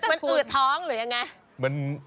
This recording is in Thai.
มันอืดท้องหรือยังไง